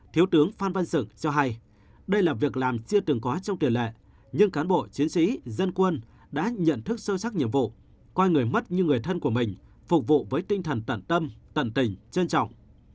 thiếu tướng phan văn sự cho hay đây là việc làm chưa từng có trong tiền lệ nhưng cán bộ chiến sĩ dân quân đã nhận thức sâu sắc nhiệm vụ coi người mất như người thân của mình phục vụ với tinh thần tận tâm tận tình trân trọng